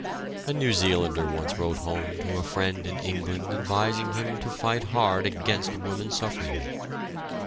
A New Zealander once wrote home to a friend in England advising him to fight hard against woman suffrage.